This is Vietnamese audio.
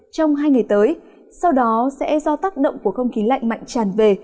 trong hai ngày tới sau đó sẽ do tác động của không khí lạnh mạnh tràn về